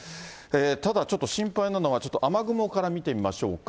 ただちょっと心配なのは、ちょっと雨雲から見てみましょうか。